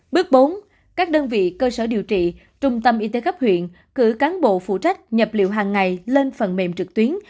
bước bốn các đơn vị cơ sở điều trị trung tâm y tế cấp huyện cử cán bộ phụ trách nhập liệu hàng ngày lên phần mềm trực tuyến